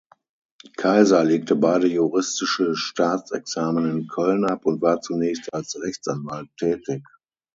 Kayser legte beide juristische Staatsexamen in Köln ab und war zunächst als Rechtsanwalt tätig.